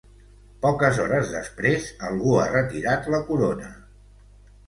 Poques hores després, algú ha retirat la corona.